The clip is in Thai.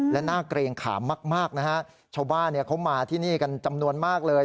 และน่าเกรงขามมากนะฮะชาวบ้านเขามาที่นี่กันจำนวนมากเลย